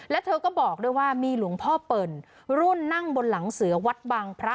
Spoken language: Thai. แล้วเธอก็บอกด้วยว่ามีหลวงพ่อเปิ่นรุ่นนั่งบนหลังเสือวัดบางพระ